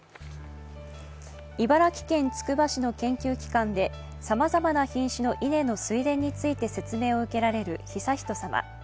茨城県つくば市の研究機関でさまざまな品種の稲の水田について説明を受けられる悠仁さま。